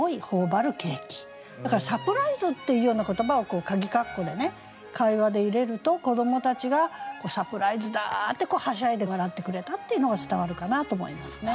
だからサプライズっていうような言葉をこうかぎ括弧でね会話で入れると子どもたちが「サプライズだ！」ってはしゃいで笑ってくれたっていうのが伝わるかなと思いますね。